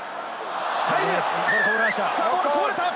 ボールこぼれた。